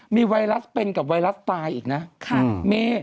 มีไวรัสเป็นกับไวรัสตายอีกนะ